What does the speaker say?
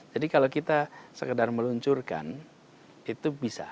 jadi kalau kita sekedar meluncurkan itu bisa